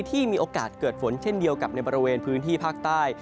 ที่มีโอกาสเกิดฝนเช่นเดียวกับในบริเวณพื้นที่ภาคใต้